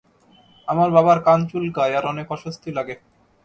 আমার বাবার কান চুলকায় আর অনেক অস্বস্তি লাগে।